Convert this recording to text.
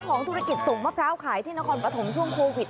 ของธุรกิจส่งมะพร้าวขายที่นครปฐมช่วงโควิด